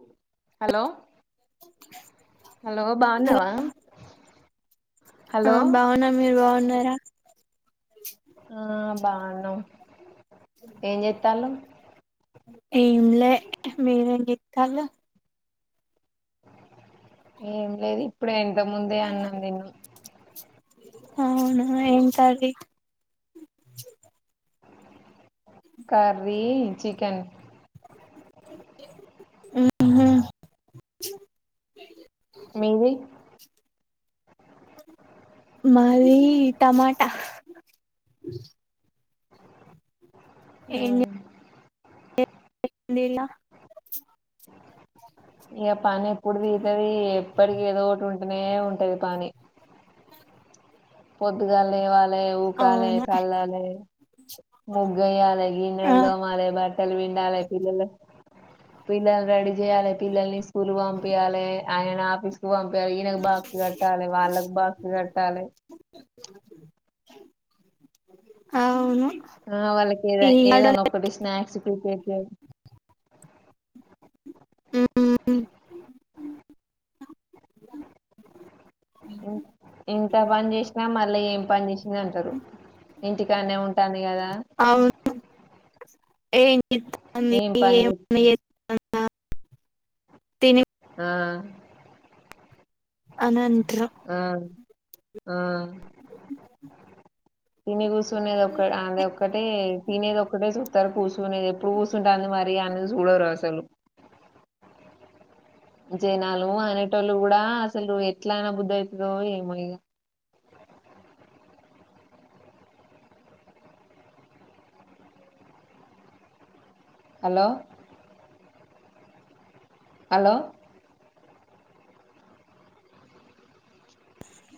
ఉ hello hello బాగున్నవా ఆ hello బాగున్నా మీరు బాగున్నారా ఆ బావున్నాం. ఏంలే మీరు ఏంచేత్తాలు. ఏంలేదు ఇప్పుడే ఇంతకు ముందే అన్నం తిన్నాం అవునా ఏం కర్రీ కర్రీ చికెన్. హుహ్ మీది మాది టమాటా. హ ఏం [inaudible] [inaudible] ఇక పని ఎప్పుడు దిర్తది ఎప్పటికి ఏదో ఒకటి ఉంట ఉంటేనే ఉంటది పని పొద్గాల లేవాలే ఏ ఊకాలే అవునా చల్లాలే ముగ్గుయాలే ఆ గిన్నెలు దోమాలే బట్టలు పిండాలే పిల్లలు పిల్లలు రెడీ చేయాలలే పిల్లల్ని స్కూల్ పంపియాలే అయనను ఆఫీసుకి పంపు ఈయనకు బాక్స్ కట్టాలే వాళ్ళకి బాక్ కట్టాలే అవును ఆ వాళ్ళకి ఏద ఈ ఏదన్నా ఆడోల్లే ఒక్కటి స్నాక్స్ ప్రీపేర్ చేస్తే ఉ ఊ ఇంత పని చేసినా మల్లి ఏం పని చేసింది అంటారు ఇంటికానే ఉంటది పనిగాద ఏయి ఇ అ ఏమన్నా అ తిని ఆ అనన్ ఆ ఆ తిని గుసు తినేది ఒక అద ఒక్కటే తినేది ఒక్కటే చూస్తూ అస్సలు కూర్చునేది ఎప్పుడు కూర్సుుంటుంది మరి అన్నది చూడరు అసలు జనాలు అనేటోళ్ళు కూడా అసలు ఎట్లానా బుద్ధ అవుతుందో ఏమో ఇగ హలో హలో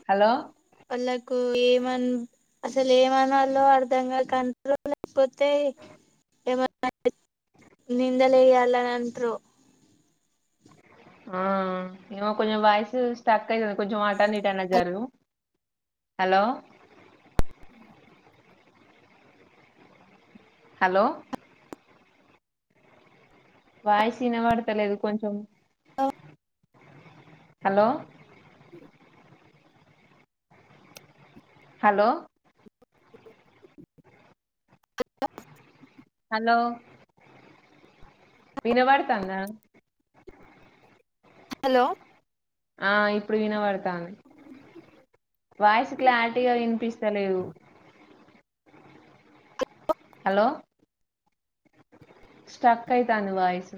హలో వాళ్ళకు ఏమ అసలు ఏమనలో అర్ధంగాక అంటారో లేకపోతే ఏమన్నా నిందలేయాలని అంటారో అ ఏమో కొంచెం వాయిస్ స్టక్ అవుతుంది కొంచెం అట్టయినా ఇట్టాయినా జరుగు హలో హలో వాయిస్ వినపడుతా లేదు కొంచెం ఆ హలో హలో హలో విన పడుతందా హలో ఆ ఇప్పుడు వినబడతాంది వాయిస్ క్లారిటీగా వినిపిస్తలేదు హలో స్టక్ ఐతంది వాయిస్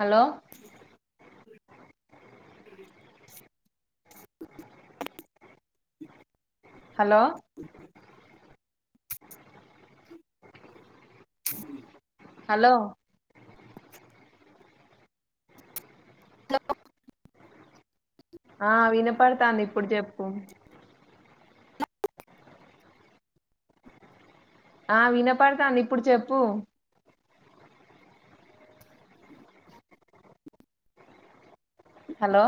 హలో హలో చ్చ హలో హలో ఆ వినపడతాంది ఇప్పుడు చెప్పు ఆ వినపడతాంది ఇప్పుడు చెప్పు హలో